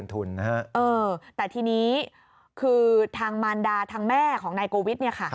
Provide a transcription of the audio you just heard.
แต่ทีนี้คือทางมารดาทางแม่ของนายโกวิทย์